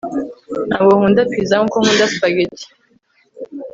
ntabwo nkunda pizza nkuko nkunda spaghetti